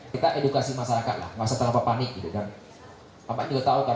kita edukasi masyarakat lah masa terlalu panik